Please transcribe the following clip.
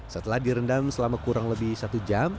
setelah direndam selama kurang lebih satu jam